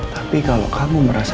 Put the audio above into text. tapi kalau kamu merasa